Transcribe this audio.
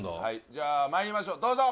じゃあまいりましょうどうぞ！